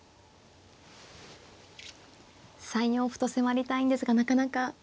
３四歩と迫りたいんですがなかなか。